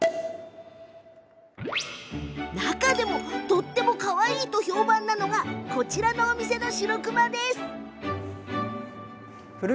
中でもとってもかわいいと評判なのがこちらのお店のしろくまです。